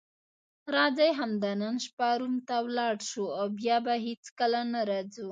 راځئ همدا نن شپه روم ته ولاړ شو او بیا به هیڅکله نه راځو.